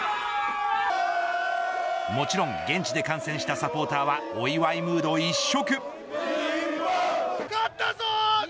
もちろん現地で観戦したサポーターはお祝いムード一色。